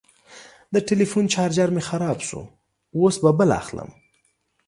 د ټلیفون چارجر مې خراب شو، اوس به بل اخلم.